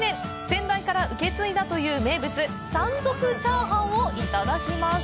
先代から受け継いだという名物山賊チャーハンをいただきます。